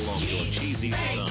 チーズ！